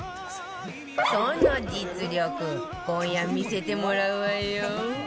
その実力今夜見せてもらうわよ